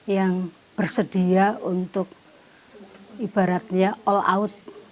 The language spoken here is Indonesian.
yang bersedia untuk ibaratnya all out